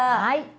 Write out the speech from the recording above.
はい。